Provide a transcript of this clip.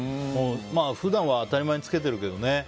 まあ、普段は当たり前に着けてるけどね。